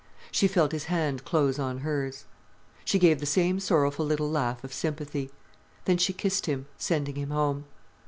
She felt his hand close on hers. She gave the same sorrowful little laugh of sympathy. Then she kissed him, sending him home.